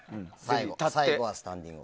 最後はスタンディング。